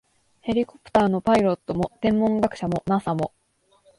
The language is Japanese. ヘリコプターのパイロットも、天文学者も、ＮＡＳＡ も、